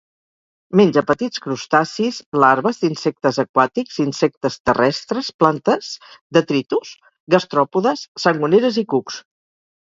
Menja petits crustacis, larves d'insectes aquàtics, insectes terrestres, plantes, detritus, gastròpodes, sangoneres i cucs.